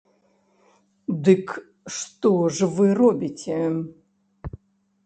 Дык што ж вы робіце!